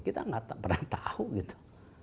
kita gak pernah tahu gitu